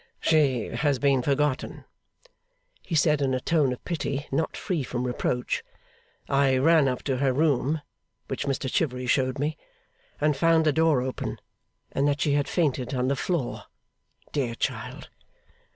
'She has been forgotten,' he said, in a tone of pity not free from reproach. 'I ran up to her room (which Mr Chivery showed me) and found the door open, and that she had fainted on the floor, dear child.